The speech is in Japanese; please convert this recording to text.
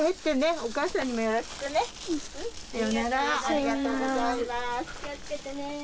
ありがとうございます。